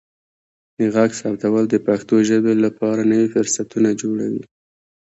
د غږ ثبتول د پښتو ژبې لپاره نوي فرصتونه جوړوي.